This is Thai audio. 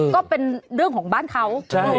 ก็เป็นเรื่องของบ้านเขา